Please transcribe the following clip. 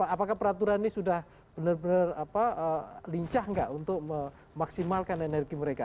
apakah peraturan ini sudah benar benar lincah nggak untuk memaksimalkan energi mereka